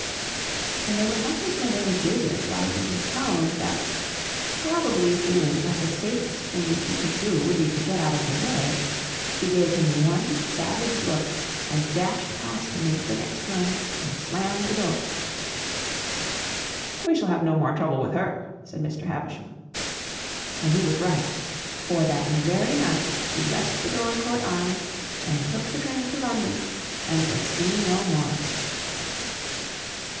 And there was something so very business like in his tones that, probably feeling that the safest thing she could do would be to get out of the way, she gave him one savage look and dashed past him into the next room and slammed the door. "We shall have no more trouble with her," said Mr. Havisham. And he was right; for that very night she left the Dorincourt Arms and took the train to London, and was seen no more.